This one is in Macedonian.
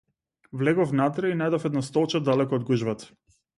Влегов внатре и најдов едно столче далеку од гужвата.